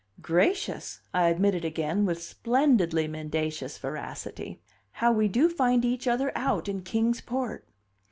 "Gracious!" I admitted again with splendidly mendacious veracity. "How we do find each other out in Kings Port!"